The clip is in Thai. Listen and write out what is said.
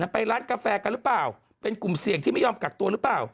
ไปร้านกาแฟกันหรือเปล่าเป็นกลุ่มเสี่ยงที่ไม่ยอมกักตัวหรือเปล่า